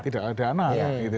tidak ada anak